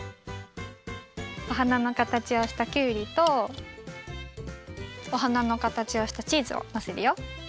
おはなのかたちをしたきゅうりとおはなのかたちをしたチーズをのせるよ。